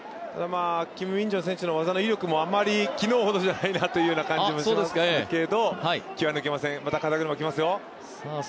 キム・ミンジョン選手の技の威力も、あまり昨日ほどじゃないなという感じもしますけど気は抜けません。